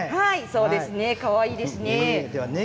そうですねかわいいですね。